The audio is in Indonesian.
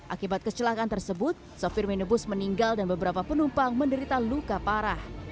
akibat kecelakaan tersebut sopir minibus meninggal dan beberapa penumpang menderita luka parah